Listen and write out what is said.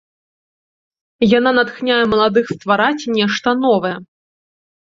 Яна натхняе маладых ствараць нешта новае.